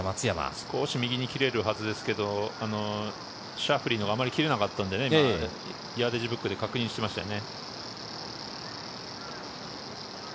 少し右に切れるはずですけど、シャフリーのはあまり切れなかったのでヤーデージブックで確認しましたよね。